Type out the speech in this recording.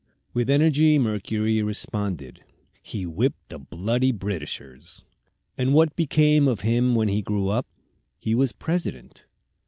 With energy Mercury responded: "He whipped the bloody Britishers." "And what became of him when he grew up?" "He was President."